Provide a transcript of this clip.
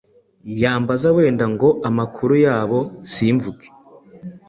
yambaza wenda ngo amakuru y’abo simvuge